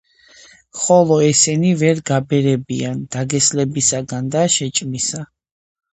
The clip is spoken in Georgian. ხოლო ესენი ვერ გაბერებიან დაგესლებისაგან და შეჭმისა.